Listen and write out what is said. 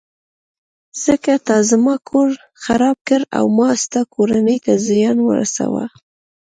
ځکه تا زما کور خراب کړ او ما ستا کورنۍ ته زیان ورساوه.